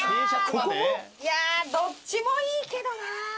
いやどっちもいいけどな。